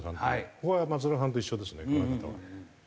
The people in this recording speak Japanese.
ここは松中さんと一緒ですねあらかたは。